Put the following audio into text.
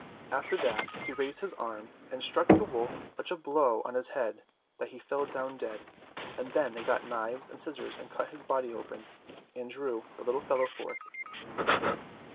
After that he raised his arm, and struck the wolf such a blow on his head that he fell down dead, and then they got knives and scissors and cut his body open and drew the little fellow forth.